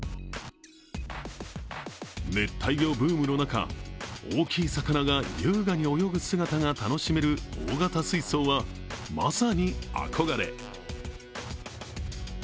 熱帯魚ブームの中、大きい魚が優雅に泳ぐ姿が楽しめる大型水槽は、まさに憧れ。